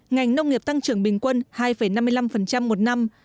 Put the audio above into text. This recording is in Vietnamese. ngành nông nghiệp tăng trưởng bình quân hai năm mươi năm một năm